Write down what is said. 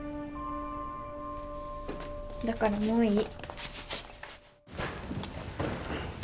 だからもういい。